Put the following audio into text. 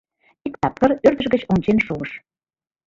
Иктапыр ӧрдыж гыч ончен шогыш.